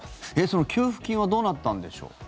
その給付金はどうなったんでしょう。